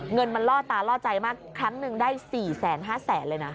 เงินมันล่อตาล่อใจมากครั้งหนึ่งได้๔๕๐๐๐เลยนะ